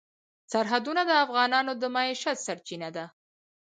سرحدونه د افغانانو د معیشت سرچینه ده.